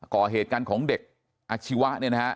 ก่อเหตุการของเด็กอาชีวะ